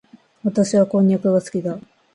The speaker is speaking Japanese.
私はこんにゃくが好きだ。